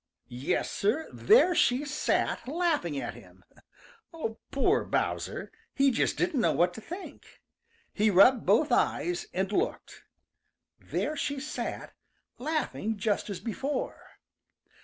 Yes, Sir, there she sat, laughing at him. Poor Bowser! He just didn't know what to think. He rubbed both eyes and looked. There she sat, laughing just as before.